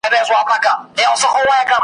¬ تېر پر تېر، هېر پر هېر.